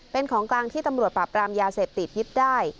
เป็นของกลางที่ตำรวจปราบรามยาเสพติดยึดได้